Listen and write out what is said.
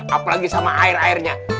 apalagi sama air airnya